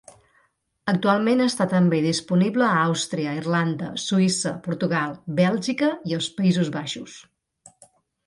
Actualment està també disponible a Àustria, Irlanda, Suïssa, Portugal, Bèlgica i els Països Baixos.